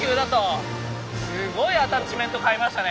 すごいアタッチメント買いましたね。